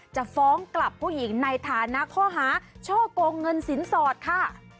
จะฟ้องกลับผู้หญิงในฐานะข้อหาช่อกงเงินสินสอดค่ะ